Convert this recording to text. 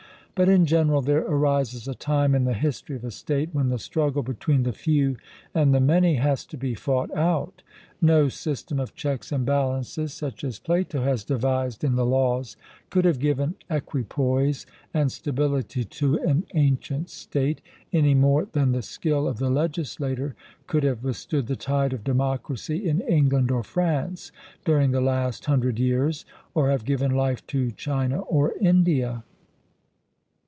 But in general there arises a time in the history of a state when the struggle between the few and the many has to be fought out. No system of checks and balances, such as Plato has devised in the Laws, could have given equipoise and stability to an ancient state, any more than the skill of the legislator could have withstood the tide of democracy in England or France during the last hundred years, or have given life to China or India.